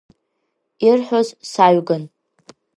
Ирҳәоз саҩган.